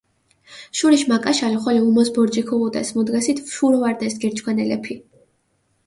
შურიშ მაკაშალო ხოლო უმოს ბორჯი ქუღუდეს, მუდგასით შურო ვარდეს გერჩქვანელეფი.